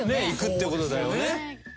いくってことだよね。